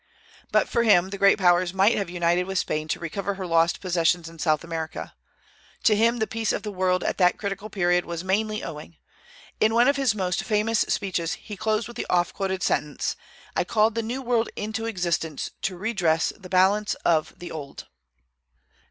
But for him, the great Powers might have united with Spain to recover her lost possessions in South America. To him the peace of the world at that critical period was mainly owing. In one of his most famous speeches he closed with the oft quoted sentence, "I called the New World into existence to redress the balance of the Old."